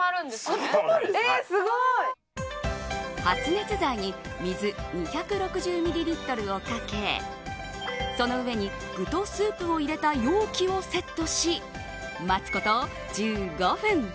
発熱材に水２６０ミリリットルをかけその上に具とスープを入れた容器をセットし待つこと１５分。